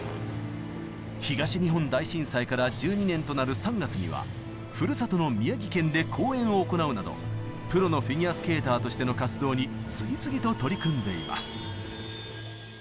東日本大震災から１２年となる３月にはふるさとの宮城県で公演を行うなどプロのフィギュアスケーターとしての活動に次々と取り組んでいます。